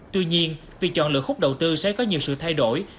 tuy nhiên vì chọn lựa khúc đầu tư sẽ có nhiều sự thay đổi